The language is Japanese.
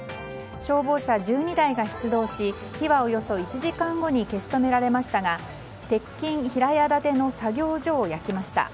消防車１２台が出動し火はおよそ１時間後に消し止められましたが鉄筋平屋建ての作業所を焼きました。